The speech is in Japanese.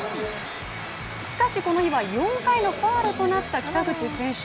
しかしこの日は４回のファウルとなった北口選手。